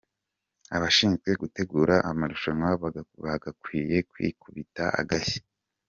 Abashinzwe gutegura amarushanwa bagakwiye kwikubita agashyi.